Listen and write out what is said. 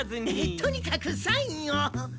とにかくサインを。